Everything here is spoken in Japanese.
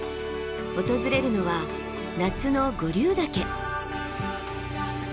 訪れるのは夏の五竜岳。